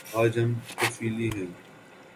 آج ہم طفیلی ہیں۔